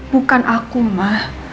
bukan aku ma